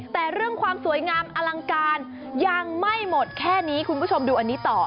แต่เรื่องความสวยงามอลังการยังไม่หมดแค่นี้คุณผู้ชมดูอันนี้ต่อ